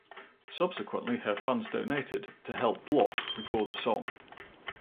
Subsequently her fans donated to help Block record the song.